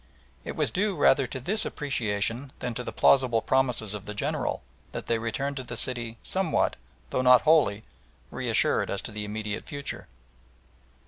It was due rather to this appreciation than to the plausible promises of the General that they returned to the city somewhat, though not wholly, reassured as to the immediate future.